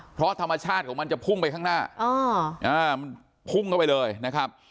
เพราะธรรมชาติพุ่งไปข้างหน้า